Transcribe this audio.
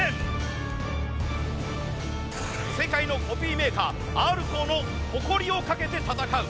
世界のコピーメーカーＲコーの誇りをかけて戦う。